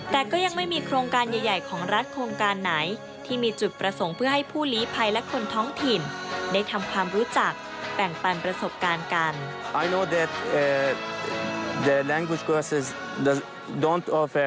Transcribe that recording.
แต่ก็ยังไม่มีโครงการใหญ่ของรัฐโครงการไหนที่มีจุดประสงค์เพื่อให้ผู้ลีภัยและคนท้องถิ่นได้ทำความรู้จักแบ่งปันประสบการณ์กัน